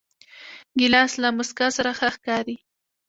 ګیلاس له موسکا سره ښه ښکاري.